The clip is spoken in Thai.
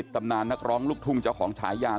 ทำงานให้แรง